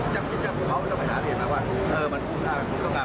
ถ้าจากตอนผมที่บอกว่าการแจสุมครบ